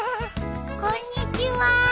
こんにちは。